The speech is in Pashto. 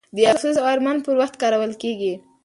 د افسوس او ارمان پر وخت کارول کیږي.